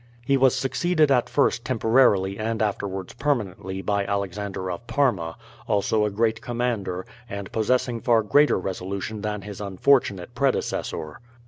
He was succeeded at first temporarily and afterwards permanently by Alexander of Parma, also a great commander, and possessing far greater resolution than his unfortunate predecessor.